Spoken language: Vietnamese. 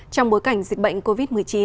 trong bối cảnh dịch bệnh covid một mươi chín